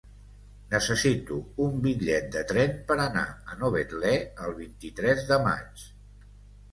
Necessito un bitllet de tren per anar a Novetlè el vint-i-tres de maig.